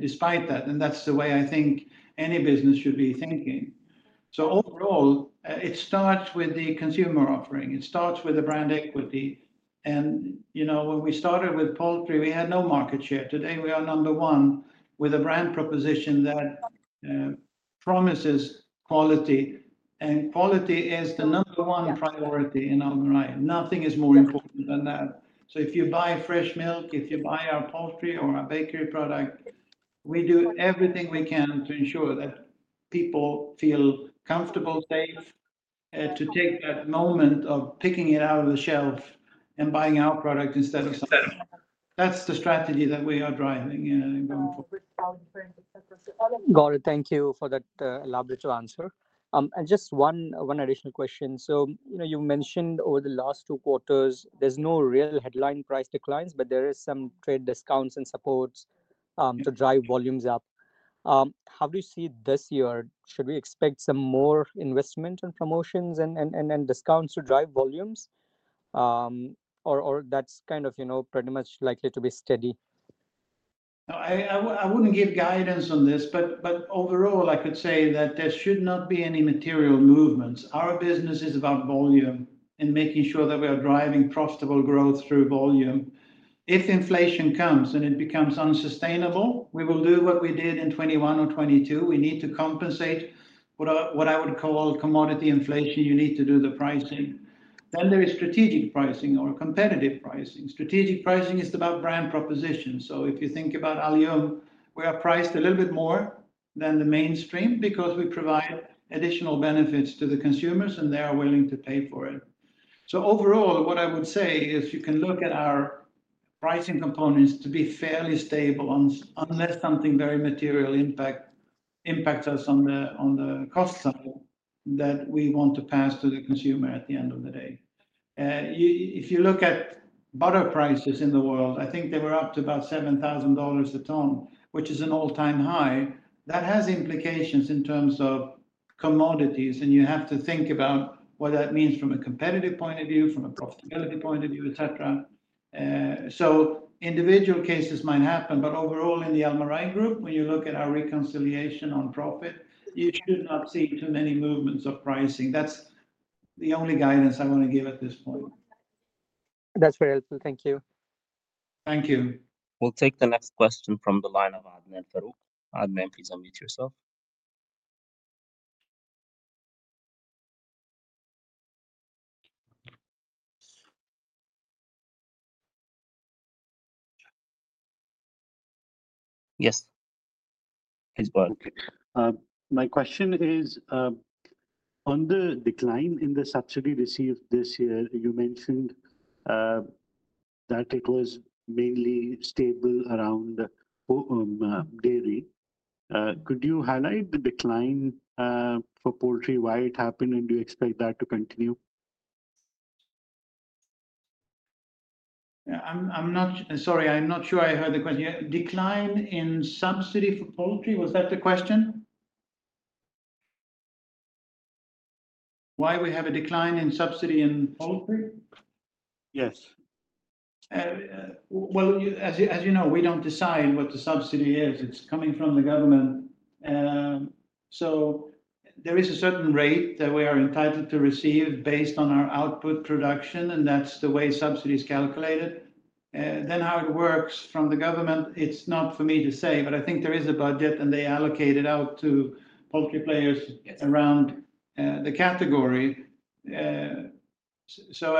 despite that. And that's the way I think any business should be thinking. So overall, it starts with the consumer offering. It starts with the brand equity. And when we started with poultry, we had no market share. Today, we are number one with a brand proposition that promises quality. And quality is the number one priority in Almarai. Nothing is more important than that. So if you buy fresh milk, if you buy our poultry or our bakery product, we do everything we can to ensure that people feel comfortable, safe to take that moment of picking it out of the shelf and buying our product instead of something else. That's the strategy that we are driving going forward. Got it. Thank you for that elaborate answer. And just one additional question. So you mentioned over the last two quarters, there's no real headline price declines, but there are some trade discounts and supports to drive volumes up. How do you see this year? Should we expect some more investment and promotions and discounts to drive volumes, or that's kind of pretty much likely to be steady? I wouldn't give guidance on this. But overall, I could say that there should not be any material movements. Our business is about volume and making sure that we are driving profitable growth through volume. If inflation comes and it becomes unsustainable, we will do what we did in 2021 or 2022. We need to compensate what I would call commodity inflation. You need to do the pricing. Then there is strategic pricing or competitive pricing. Strategic pricing is about brand proposition. So if you think about Alyoum, we are priced a little bit more than the mainstream because we provide additional benefits to the consumers, and they are willing to pay for it. So overall, what I would say is you can look at our pricing components to be fairly stable unless something very material impacts us on the cost side that we want to pass to the consumer at the end of the day. If you look at butter prices in the world, I think they were up to about $7,000 a ton, which is an all-time high. That has implications in terms of commodities. And you have to think about what that means from a competitive point of view, from a profitability point of view, etc. So individual cases might happen. But overall, in the Almarai Group, when you look at our reconciliation on profit, you should not see too many movements of pricing. That's the only guidance I want to give at this point. That's very helpful. Thank you. Thank you. We'll take the next question from the line of Adnan Farooq. Adnan, please unmute yourself. Yes. My question is on the decline in the subsidy received this year. You mentioned that it was mainly stable around dairy. Could you highlight the decline for poultry? Why it happened? and do you expect that to continue? Sorry, I'm not sure I heard the question. Decline in subsidy for poultry? Was that the question? Why we have a decline in subsidy in poultry? Yes. As you know, we don't decide what the subsidy is. It's coming from the government. So there is a certain rate that we are entitled to receive based on our output production. And that's the way subsidy is calculated. Then how it works from the government, it's not for me to say. But I think there is a budget, and they allocate it out to poultry players around the category. So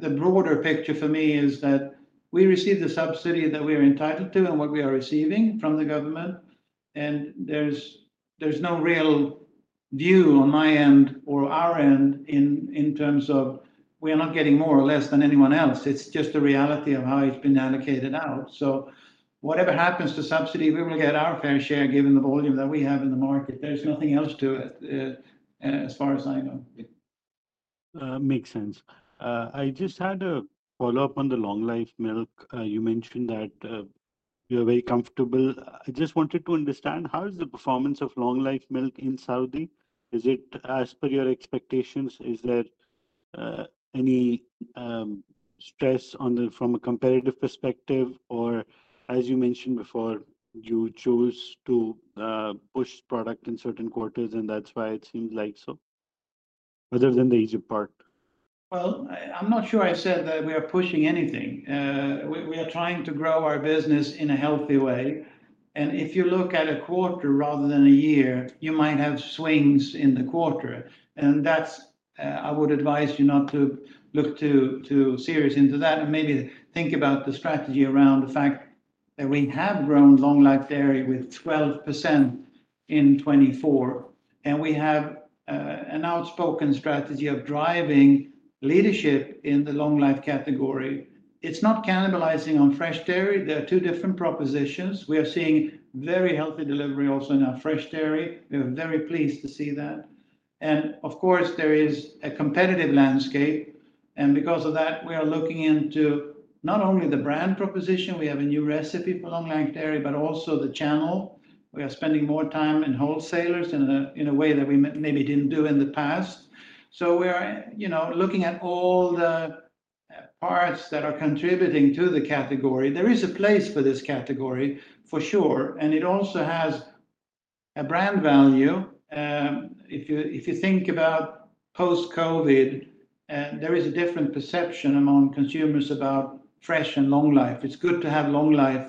the broader picture for me is that we receive the subsidy that we are entitled to and what we are receiving from the government. And there's no real view on my end or our end in terms of we are not getting more or less than anyone else. It's just the reality of how it's been allocated out. So whatever happens to subsidy, we will get our fair share given the volume that we have in the market. There's nothing else to it as far as I know. Makes sense. I just had a follow-up on the long-life milk. You mentioned that you are very comfortable. I just wanted to understand how is the performance of long-life milk in Saudi? Is it as per your expectations? Is there any stress from a competitive perspective? Or as you mentioned before, you choose to push product in certain quarters, and that's why it seems like so, other than the Egypt part? I'm not sure I said that we are pushing anything. We are trying to grow our business in a healthy way. And if you look at a quarter rather than a year, you might have swings in the quarter. And I would advise you not to look too seriously into that and maybe think about the strategy around the fact that we have grown long-life dairy with 12% in 2024. And we have an outspoken strategy of driving leadership in the long-life category. It's not cannibalizing on fresh dairy. There are two different propositions. We are seeing very healthy delivery also in our fresh dairy. We are very pleased to see that. And of course, there is a competitive landscape. And because of that, we are looking into not only the brand proposition. We have a new recipe for long-life dairy, but also the channel. We are spending more time in wholesalers in a way that we maybe didn't do in the past. So we are looking at all the parts that are contributing to the category. There is a place for this category, for sure. And it also has a brand value. If you think about post-COVID, there is a different perception among consumers about fresh and long-life. It's good to have long-life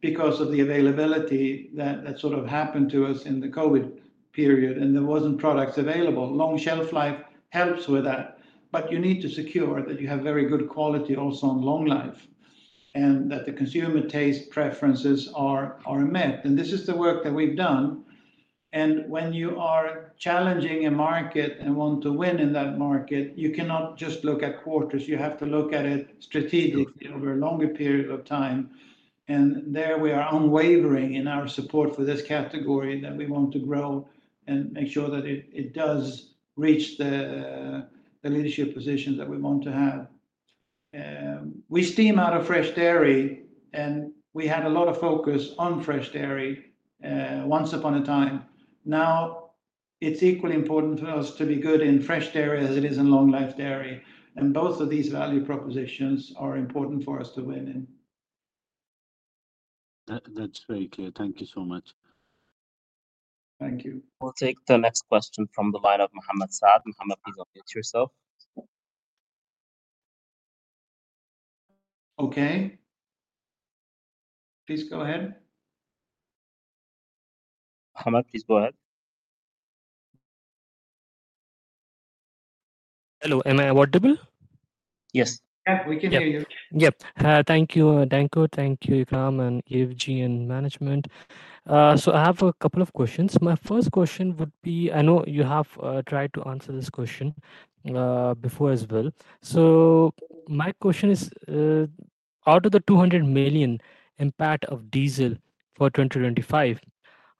because of the availability that sort of happened to us in the COVID period. And there weren't products available. Long shelf life helps with that. But you need to secure that you have very good quality also on long-life and that the consumer taste preferences are met. And this is the work that we've done. And when you are challenging a market and want to win in that market, you cannot just look at quarters. You have to look at it strategically over a longer period of time, and there we are unwavering in our support for this category that we want to grow and make sure that it does reach the leadership positions that we want to have. We stem out of fresh dairy, and we had a lot of focus on fresh dairy once upon a time. Now, it's equally important for us to be good in fresh dairy as it is in long-life dairy, and both of these value propositions are important for us to win in. That's very clear. Thank you so much. Thank you. We'll take the next question from the line of Mohammed Saad. Mohammed, please unmute yourself. Okay. Please go ahead. Mohammed, please go ahead. Hello. Am I audible? Yes. Yeah, we can hear you. Yeah. Thank you, Danko. Thank you, Ikram and Hadi and management. So I have a couple of questions. My first question would be I know you have tried to answer this question before as well. So my question is, out of the 200 million impact of diesel for 2025,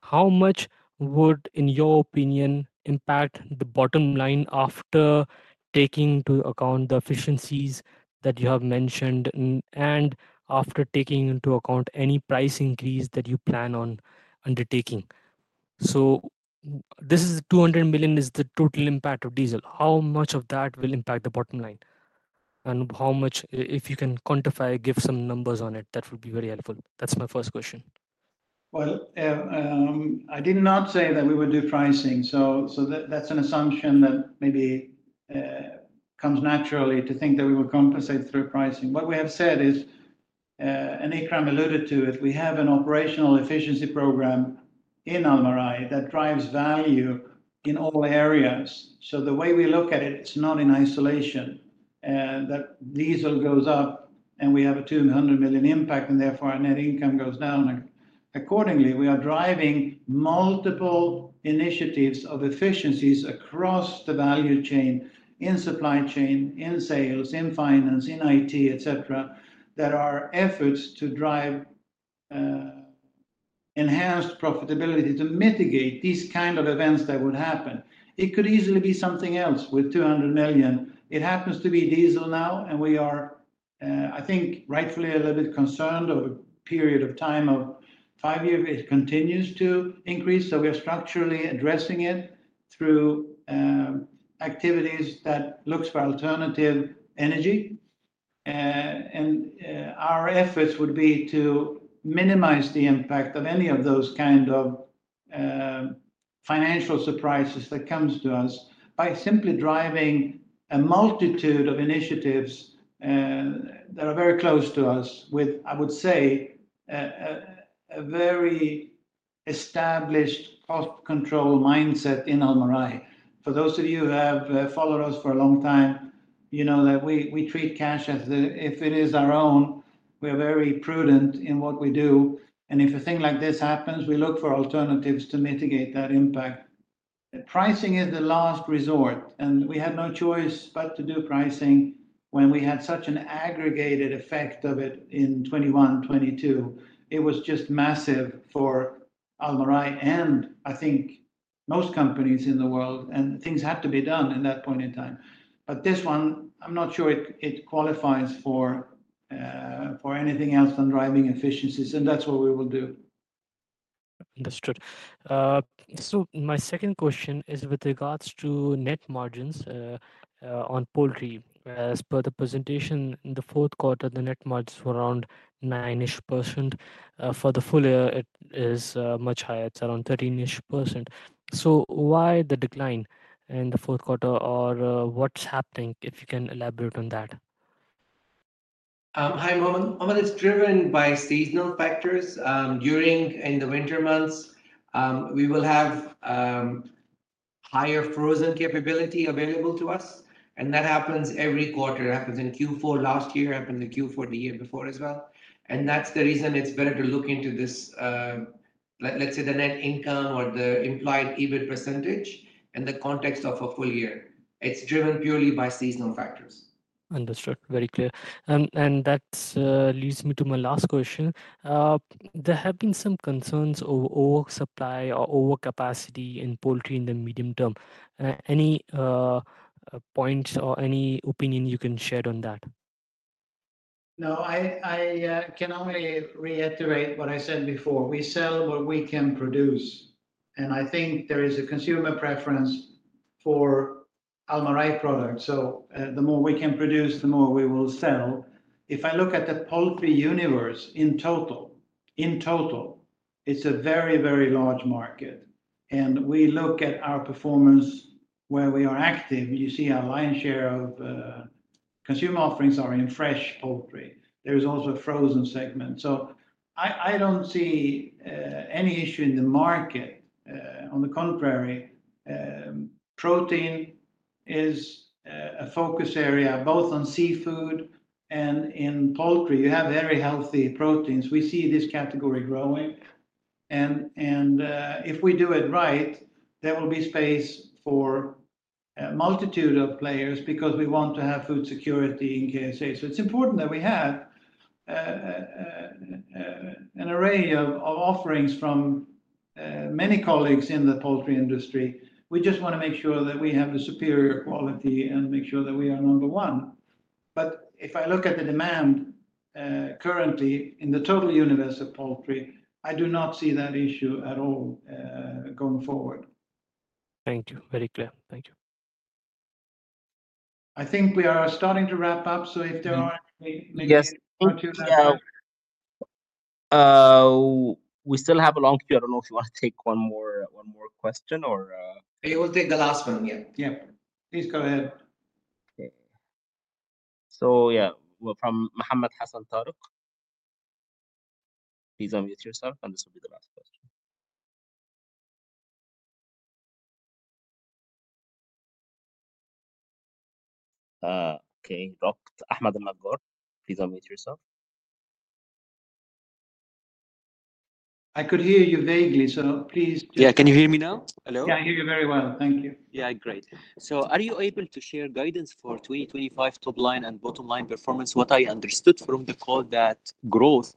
how much would, in your opinion, impact the bottom line after taking into account the efficiencies that you have mentioned and after taking into account any price increase that you plan on undertaking? So this 200 million is the total impact of diesel. How much of that will impact the bottom line? And if you can quantify, give some numbers on it, that would be very helpful. That's my first question. I did not say that we would do pricing. That's an assumption that maybe comes naturally to think that we will compensate through pricing. What we have said is, and Ikram alluded to it, we have an operational efficiency program in Almarai that drives value in all areas. The way we look at it, it's not in isolation that diesel goes up and we have a 200 million impact and therefore our net income goes down. Accordingly, we are driving multiple initiatives of efficiencies across the value chain in supply chain, in sales, in finance, in IT, etc., that are efforts to drive enhanced profitability to mitigate these kinds of events that would happen. It could easily be something else with 200 million. It happens to be diesel now. And we are, I think, rightfully a little bit concerned over a period of time of five years if it continues to increase. So we are structurally addressing it through activities that look for alternative energy. And our efforts would be to minimize the impact of any of those kinds of financial surprises that come to us by simply driving a multitude of initiatives that are very close to us with, I would say, a very established cost control mindset in Almarai. For those of you who have followed us for a long time, you know that we treat cash as if it is our own. We are very prudent in what we do. And if a thing like this happens, we look for alternatives to mitigate that impact. Pricing is the last resort. We had no choice but to do pricing when we had such an aggregated effect of it in 2021, 2022. It was just massive for Almarai and, I think, most companies in the world. Things had to be done at that point in time. But this one, I'm not sure it qualifies for anything else than driving efficiencies. That's what we will do. Understood. So my second question is with regards to net margins on poultry. As per the presentation, in the fourth quarter, the net margins were around 9-ish%. For the full year, it is much higher. It's around 13-ish%. So why the decline in the fourth quarter? Or what's happening, if you can elaborate on that? Hi, Mohammed. Mohammed, it's driven by seasonal factors. During the winter months, we will have higher frozen capability available to us, and that happens every quarter. It happens in Q4 last year. It happened in Q4 the year before as well, and that's the reason it's better to look into this, let's say, the net income or the implied EBIT percentage in the context of a full year. It's driven purely by seasonal factors. Understood. Very clear. And that leads me to my last question. There have been some concerns over supply or over capacity in poultry in the medium term. Any points or any opinion you can share on that? No, I can only reiterate what I said before. We sell what we can produce, and I think there is a consumer preference for Almarai products, so the more we can produce, the more we will sell. If I look at the poultry universe in total, it's a very, very large market, and we look at our performance where we are active. You see our lion's share of consumer offerings are in fresh poultry. There is also a frozen segment, so I don't see any issue in the market. On the contrary, protein is a focus area both on seafood and in poultry. You have very healthy proteins. We see this category growing, and if we do it right, there will be space for a multitude of players because we want to have food security in KSA. So it's important that we have an array of offerings from many colleagues in the poultry industry. We just want to make sure that we have the superior quality and make sure that we are number one. But if I look at the demand currently in the total universe of poultry, I do not see that issue at all going forward. Thank you. Very clear. Thank you. I think we are starting to wrap up. So if there are any questions for you now. Yes. We still have a long queue. I don't know if you want to take one more question or? You will take the last one. Yeah. Yeah. Please go ahead. Okay. So yeah, from Mohammed Hassan Tarek, please unmute yourself. And this will be the last question. Okay. Dr. Ahmad Al-Maghrabi, please unmute yourself. I could hear you vaguely. So please. Yeah. Can you hear me now? Hello? Yeah, I hear you very well. Thank you. Yeah, great. So are you able to share guidance for 2025 top-line and bottom-line performance? What I understood from the call that growth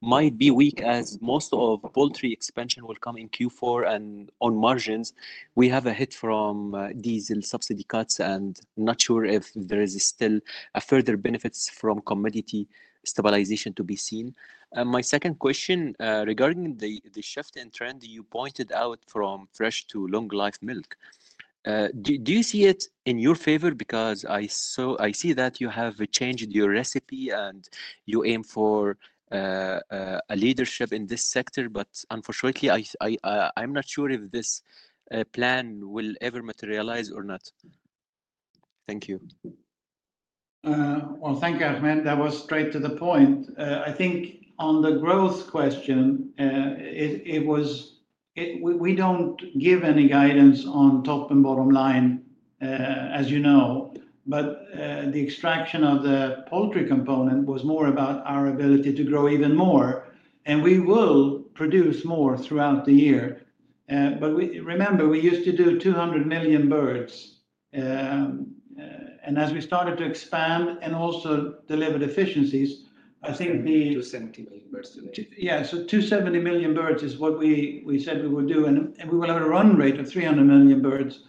might be weak as most of poultry expansion will come in Q4 and on margins. We have a hit from diesel subsidy cuts. And I'm not sure if there is still further benefits from commodity stabilization to be seen. My second question regarding the shift in trend you pointed out from fresh to long-life milk. Do you see it in your favor? Because I see that you have changed your recipe and you aim for a leadership in this sector. But unfortunately, I'm not sure if this plan will ever materialize or not. Thank you. Thank you, Ahmad. That was straight to the point. I think on the growth question, we don't give any guidance on top and bottom line, as you know. The extraction of the poultry component was more about our ability to grow even more. We will produce more throughout the year. Remember, we used to do 200 million birds. As we started to expand and also delivered efficiencies, I think the. 270 million birds. Yeah. So 270 million birds is what we said we would do. And we will have a run rate of 300 million birds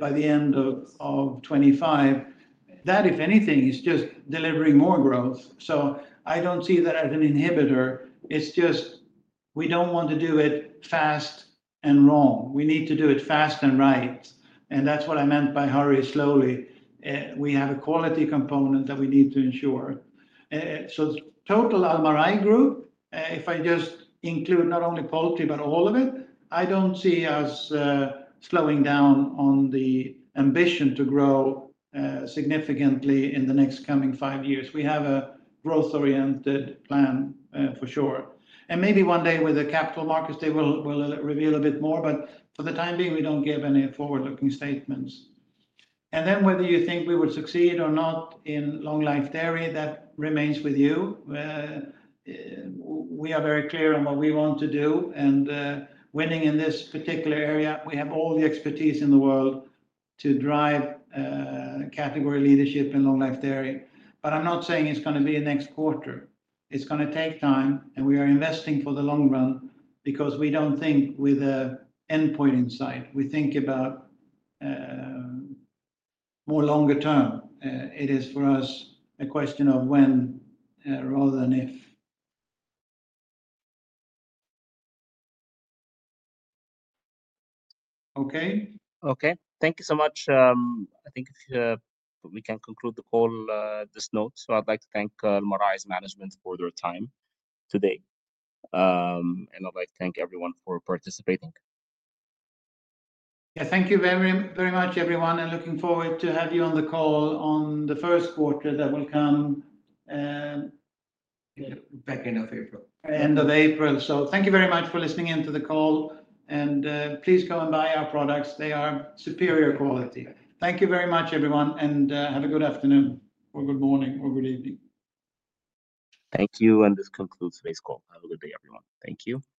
by the end of 2025. That, if anything, is just delivering more growth. So I don't see that as an inhibitor. It's just we don't want to do it fast and wrong. We need to do it fast and right. And that's what I meant by hurry slowly. We have a quality component that we need to ensure. So total Almarai Group, if I just include not only poultry but all of it, I don't see us slowing down on the ambition to grow significantly in the next coming five years. We have a growth-oriented plan for sure. And maybe one day with the capital markets, they will reveal a bit more. But for the time being, we don't give any forward-looking statements. Then whether you think we would succeed or not in long-life dairy, that remains with you. We are very clear on what we want to do. And winning in this particular area, we have all the expertise in the world to drive category leadership in long-life dairy. But I'm not saying it's going to be next quarter. It's going to take time. And we are investing for the long run because we don't think with an endpoint in sight. We think about more longer term. It is for us a question of when rather than if. Okay? Okay. Thank you so much. I think we can conclude the call at this point. I'd like to thank Almarai's management for their time today. I'd like to thank everyone for participating. Yeah. Thank you very much, everyone, and looking forward to have you on the call on the first quarter that will come back end of April, end of April, so thank you very much for listening in to the call, and please go and buy our products. They are superior quality. Thank you very much, everyone, and have a good afternoon or good morning or good evening. Thank you. And this concludes today's call. Have a good day, everyone. Thank you.